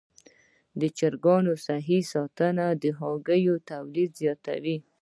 د چرګانو صحي ساتنه د هګیو تولید زیاتوي.